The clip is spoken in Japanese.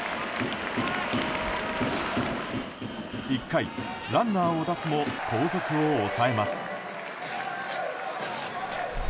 １回、ランナーを出すも後続を抑えます。